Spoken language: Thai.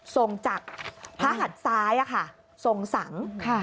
ส่งจากพระหัดซ้ายทรงสัง